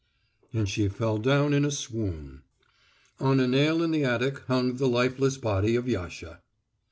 And she fell down in a swoon. On a nail in the attic hung the lifeless body of Yasha.